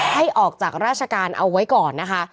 ให้ออกจากราชการเอาไว้ก่อนนะคะ